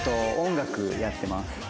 音楽やってます。